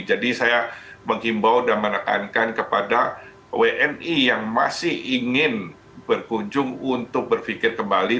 jadi saya mengimbau dan menekankan kepada wni yang masih ingin berkunjung untuk berpikir kembali